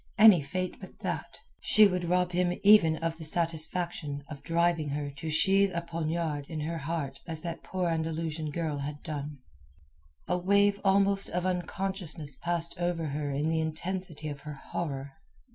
Any fate but that; she would rob him even of the satisfaction of driving her to sheathe a poniard in her heart as that poor Andalusian girl had done. A wave almost of unconsciousness passed over her in the intensity of her horror.